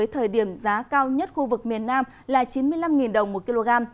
thời điểm giá cao nhất khu vực miền nam là chín mươi năm đồng một kg